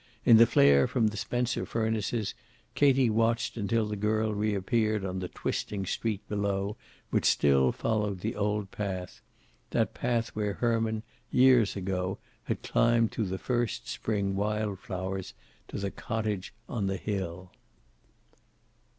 In the flare from the Spencer furnaces Katie watched until the girl reappeared on the twisting street below which still followed the old path that path where Herman, years ago, had climbed through the first spring wild flowers to the cottage on the hill.